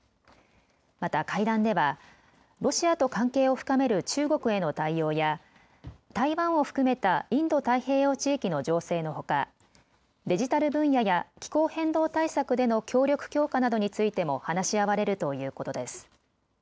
また会談ではロシアと関係を深める中国への対応や台湾を含めたインド太平洋地域の情勢のほかデジタル分野や気候変動対策での協力強化などについても話し合われるということです。